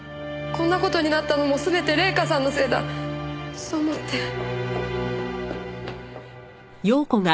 こんな事になったのも全て礼夏さんのせいだそう思って。